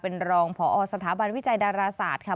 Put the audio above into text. เป็นรองพอสถาบันวิจัยดาราศาสตร์ค่ะ